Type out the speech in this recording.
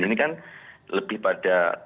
ini kan lebih pada